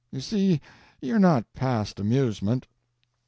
"You see you're not past amusement."